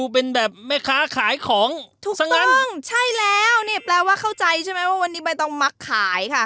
เป็นแบบแม่ค้าขายของทุกสงั้นใช่แล้วนี่แปลว่าเข้าใจใช่ไหมว่าวันนี้ใบตองมักขายค่ะ